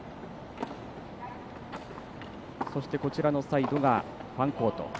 そして、逆サイドがファンコート。